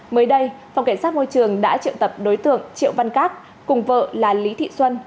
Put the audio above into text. mới đây phòng cảnh sát môi trường đã triệu tập đối tượng triệu văn cát cùng vợ là lý thị xuân